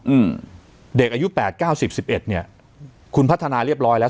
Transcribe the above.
อืมเด็กอายุแปดเก้าสิบสิบเอ็ดเนี้ยคุณพัฒนาเรียบร้อยแล้ว